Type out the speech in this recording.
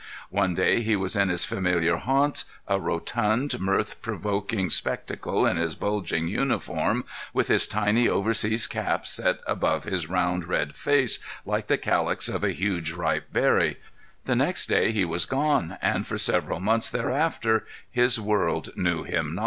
One day he was in his familiar haunts, a rotund, mirth provoking spectacle in his bulging uniform, with his tiny overseas cap set above his round, red face like the calyx of a huge ripe berry; the next day he was gone, and for several months thereafter his world knew him not.